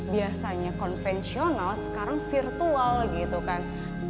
biasanya konvensional sekarang virtual gitu kan